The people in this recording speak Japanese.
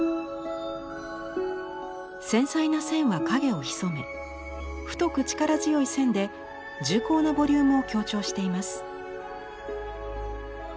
繊細な線は影を潜め太く力強い線で重厚なボリュームを強調しています。